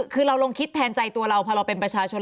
คือเราลองคิดแทนใจตัวเราพอเราเป็นประชาชน